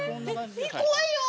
怖いよ。